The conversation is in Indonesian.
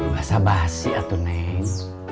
bahasa bahasia tuh neng